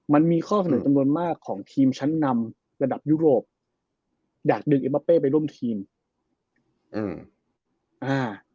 มันมีข้อเสนอจำนวนมากของทีมชั้นนำระดับยุโรปอยากดึงเอมะเป้ไปร่วมทีมอืมอ่า